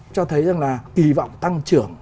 cho thấy rằng là kỳ vọng tăng trưởng